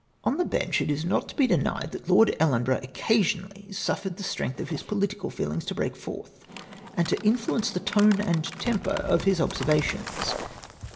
On the bench, it is not to he denied that Lord Ellen borough occasionally suffered the strength of his political feelings to break forth and to influence the tone and temper of his observations.